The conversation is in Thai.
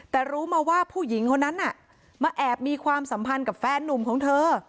แต่รู้มาว่าผู้หญิงคนนั้นมาแอบมีความสัมพันธ์กับแฟนนุ่มของเธอ